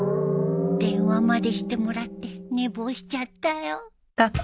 電話までしてもらって寝坊しちゃったよ